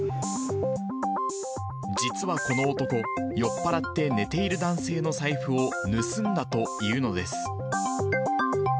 実はこの男、酔っ払って寝ている男性の財布を盗んだというのです。